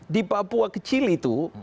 di papua kecil itu